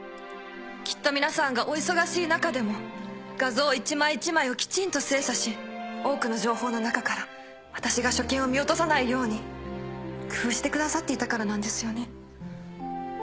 きっと皆さんがお忙しい中でも画像一枚一枚をきちんと精査し多くの情報の中から私が所見を見落とさないように工夫してくださっていたからなんですよね。